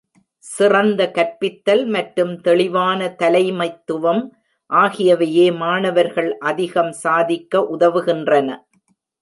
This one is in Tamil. சிறந்த கற்பித்தல் மற்றும் தெளிவான தலைமைத்துவம் ஆகியவையே மாணவர்கள் அதிகம் சாதிக்க உதவுகின்றன.